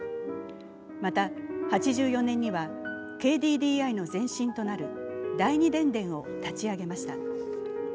また８４年には、ＫＤＤＩの前身となる第二電電を立ち上げました。